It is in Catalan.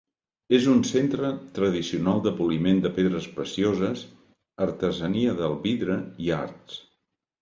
És un centre tradicional de poliment de pedres precioses, artesania del vidre i arts.